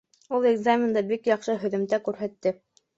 Ул. экзаменда бик яҡшы һөҙөмтә күрһәтте